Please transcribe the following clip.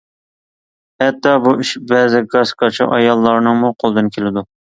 ھەتتا بۇ ئىش بەزى گاس-گاچا ئاياللارنىڭمۇ قولىدىن كېلىدۇ.